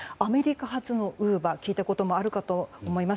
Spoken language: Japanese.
アメリカ発のウーバー聞いたことあると思います。